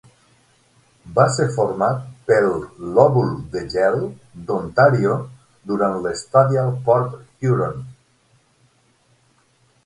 Va ser format pel lòbul de gel d'Ontario durant l'Stadial Port Huron.